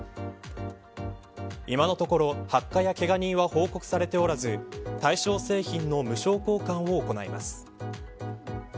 今のところ、発火やけが人は報告されておらず対象製品の無償交換を行います。